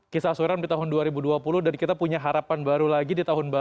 kisah asuran di tahun dua ribu dua puluh dan kita punya harapan baru lagi di tahun dua ribu dua